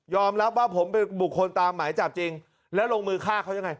รับว่าผมเป็นบุคคลตามหมายจับจริงแล้วลงมือฆ่าเขายังไง